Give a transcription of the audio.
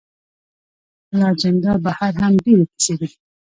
له اجنډا بهر هم ډېرې کیسې دي.